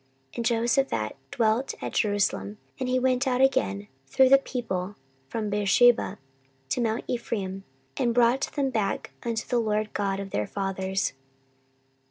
14:019:004 And Jehoshaphat dwelt at Jerusalem: and he went out again through the people from Beersheba to mount Ephraim, and brought them back unto the LORD God of their fathers.